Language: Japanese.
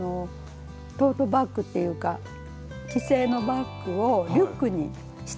トートバッグっていうか既製のバッグをリュックに仕立て直したんです。